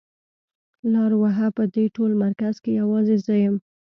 لار وهه په دې ټول مرکز کې يوازې زه يم.